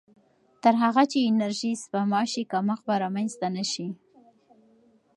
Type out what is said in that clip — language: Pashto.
تر هغه چې انرژي سپما شي، کمښت به رامنځته نه شي.